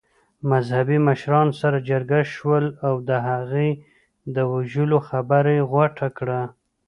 مذهبي مشران سره جرګه شول او د هغې د وژلو خبره يې غوټه کړه.